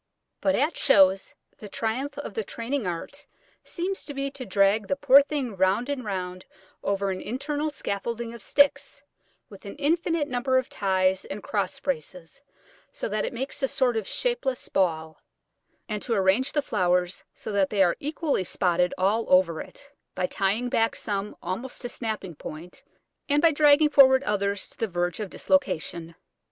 But at shows, the triumph of the training art seems to be to drag the poor thing round and round over an internal scaffolding of sticks, with an infinite number of ties and cross braces, so that it makes a sort of shapeless ball, and to arrange the flowers so that they are equally spotted all over it, by tying back some almost to snapping point, and by dragging forward others to the verge of dislocation.